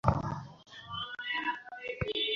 শোবানার কথা বুঝিয়েছিলাম আমি।